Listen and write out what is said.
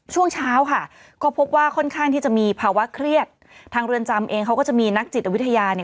ช่วงเช้าค่ะก็พบว่าค่อนข้างที่จะมีภาวะเครียดทางเรือนจำเองเขาก็จะมีนักจิตวิทยาเนี่ย